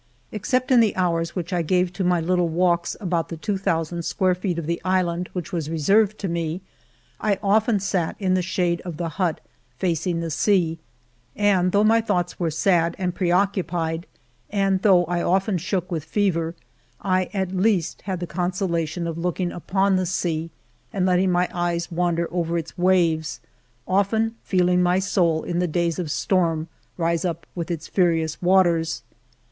Except in the hours which 1 gave to my little walks about the two thousand square feet of the island which was reserved to me, I often satin the shade of the hut, facing the sea ; and' though my thoughts were sad and preoccu pied, and though I often shook with fever, I at least had the consolation of looking upon the sea ALFRED DREYFUS 223 and letting my eyes wander over its waves, often feeling my soul in the days of storm rise up with its furious waters.